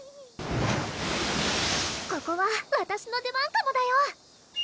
ここはわたしの出番かもだよ！